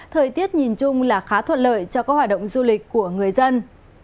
thời tiết nhìn chung là khá thuận lợi cho các hoạt động du lịch của người dân